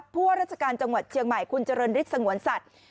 พวกราชการจังหวัดเชียงใหม่คุณเจริญฤทธิสงวนสัตว์